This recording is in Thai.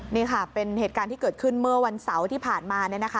นี่ค่ะเป็นเหตุการณ์ที่เกิดขึ้นเมื่อวันเสาร์ที่ผ่านมาเนี่ยนะคะ